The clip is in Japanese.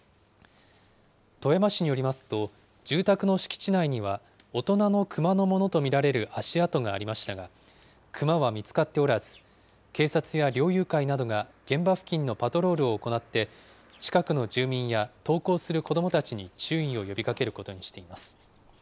富山市によりますと、住宅の敷地内には大人のクマのものと見られる足跡がありましたが、クマは見つかっておらず、警察や猟友会などが現場付近のパトロールを行って、近くの住民や登校する子どもたちに注意を呼びかけることにしています。